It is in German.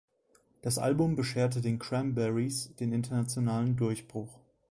Das Album bescherte den Cranberries den internationalen Durchbruch.